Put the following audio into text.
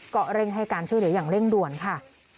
ก็เร่งให้การช่วยเหลืออย่างเร่งด่วนค่ะ